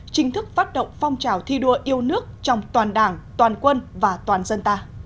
chính thức phát động phong trào thi đua yêu nước trong toàn đảng toàn quân và toàn dân ta